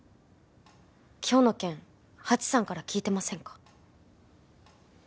今日の件ハチさんから聞いてませんか？